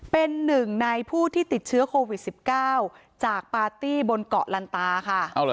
เป็นหนึ่งในผู้ที่ติดเชื้อโควิด๑๙จากปาร์ตี้บนเกาะลันตาค่ะ